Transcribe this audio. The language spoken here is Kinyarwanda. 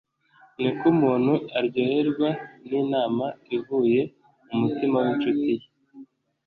ni ko umuntu aryoherwa n’inama ivuye mu mutima w’incuti ye